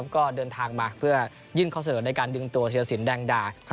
ก็เดินทางมาเพื่อยิ่งเขาเสนอในการดึงตัวเศรษฐศิลป์แดงดา